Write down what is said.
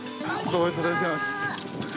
ご無沙汰してます。